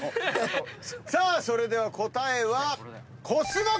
さあそれでは答えは。